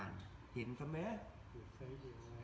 จังหวะมันไม่ร้อนดีเลย